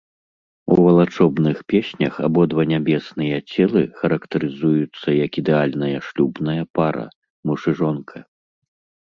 У валачобных песнях абодва нябесныя целы характарызуюцца як ідэальная шлюбная пара, муж і жонка.